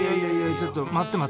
ちょっと待って待って。